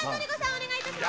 お願いいたします」